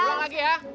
udah lagi ya